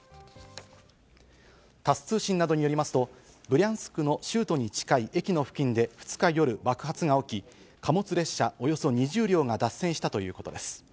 タス通信などによりますと、ブリャンスクの州都に近い駅の付近で２日夜、爆発が起き、貨物列車およそ２０両が脱線したということです。